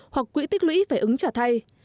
hoặc quỹ tích lũy phải ứng trả thay